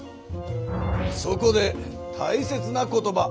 そこでたいせつな言葉